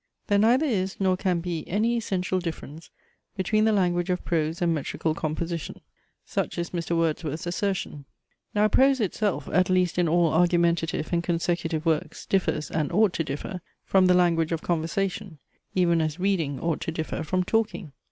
"There neither is nor can be any essential difference between the language of prose and metrical composition." Such is Mr. Wordsworth's assertion. Now prose itself, at least in all argumentative and consecutive works, differs, and ought to differ, from the language of conversation; even as reading ought to differ from talking.